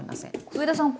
上田さん